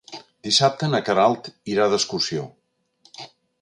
Dissabte na Queralt irà d'excursió.